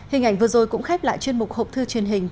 hình ảnh vừa rồi cũng khép lại chuyên mục hộp thư truyền hình